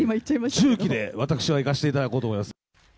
重機で私はいかせていただこうと思います。